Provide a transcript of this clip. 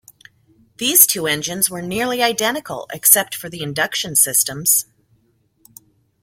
These two engines were nearly identical, except for the induction systems.